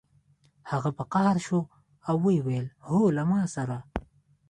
هغه په قهر شو او ویې ویل هو له ما سره